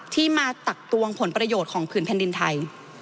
ที่มาตักตวงผลประโยชน์ของผืนแผ่นดินไทย